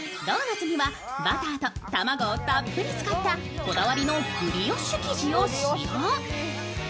ドーナツにはバターと卵をたっぷり使ったこだわりのブリオッシュ生地を使用。